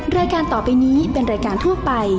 รายการต่อไปนี้เป็นรายการทั่วไป